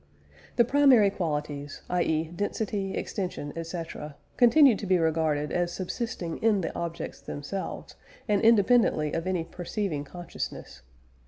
The "primary qualities," i.e. density, extension, etc., continued to be regarded as subsisting in the objects themselves, and independently of any perceiving consciousness.